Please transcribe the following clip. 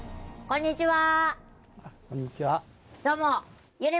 こんにちは。